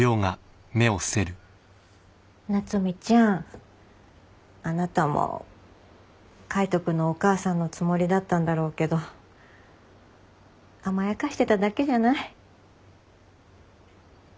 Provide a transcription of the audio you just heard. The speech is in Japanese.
夏海ちゃんあなたも海斗君のお母さんのつもりだったんだろうけど甘やかしてただけじゃない？